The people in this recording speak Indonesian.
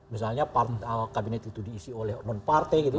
misalnya kabinet itu diisi oleh non partai gitu